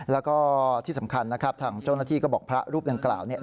แล้วก็ที่สำคัญนะครับทางเจ้าหน้าที่ก็บอกพระรูปดังกล่าวเนี่ย